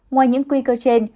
ngoài những quy cơ trên